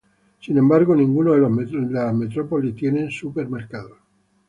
Sin embargo ninguno de los Metrópolis tienen supermercados.